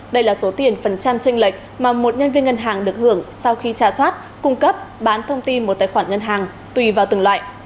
đây là số tiền phần trăm tranh lệch mà một nhân viên ngân hàng được hưởng sau khi trả soát cung cấp bán thông tin một tài khoản ngân hàng tùy vào từng loại